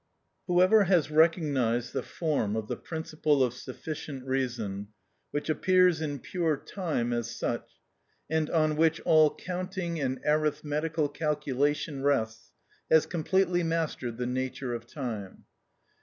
Whoever has recognised the form of the principle of sufficient reason, which appears in pure time as such, and on which all counting and arithmetical calculation rests, has completely mastered the nature of time.